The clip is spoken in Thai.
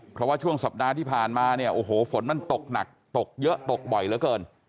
เพราะว่าช่วงสัปดาห์ที่ผ่านมาเนี่ยโอ้โหฝนมันตกหนักตกเยอะตกบ่อยเหลือเกิน